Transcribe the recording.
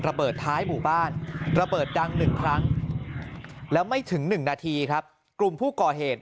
ระเบิดท้ายหมู่บ้านระเบิดดัง๑ครั้งแล้วไม่ถึง๑นาทีครับกลุ่มผู้ก่อเหตุ